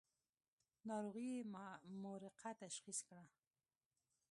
ناروغي محرقه تشخیص کړه.